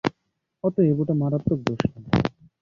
অতএব ওটা মারাত্মক দোষ নয়।